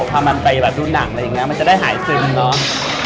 พามันไปดูหนังอย่างงั้นมาจะได้หายซึมเนาะ